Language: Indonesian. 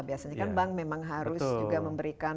biasanya kan bank memang harus juga memberikan